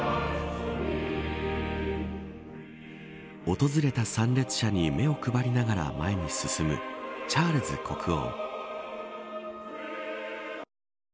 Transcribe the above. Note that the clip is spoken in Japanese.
訪れた参列者に目を配りながら前に進むチャールズ国王。